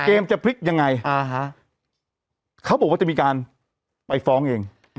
จะพลิกยังไงเขาบอกว่าจะมีการไปฟ้องเอง